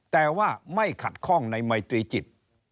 แต่ว่าไม่ขัดคล่องในไมตรีจิต